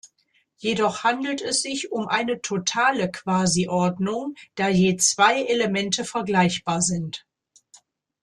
Jedoch handelt es sich um eine "totale" Quasiordnung, da je zwei Elemente vergleichbar sind.